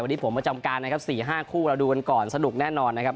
วันนี้ผมประจำการนะครับ๔๕คู่เราดูกันก่อนสนุกแน่นอนนะครับ